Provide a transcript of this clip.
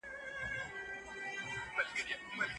جرګې د شخړو د حل وسیله وې.